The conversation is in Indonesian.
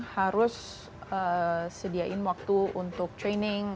harus sediain waktu untuk training